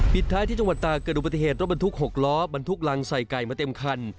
ท้ายที่จังหวัดตากเกิดอุบัติเหตุรถบรรทุก๖ล้อบรรทุกรังใส่ไก่มาเต็มคัน